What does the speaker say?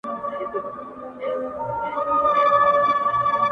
گراني په تا باندي چا كوډي كړي-